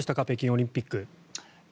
北京オリンピック。